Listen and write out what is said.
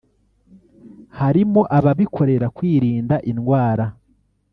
harimo ababikorera kwirinda indwara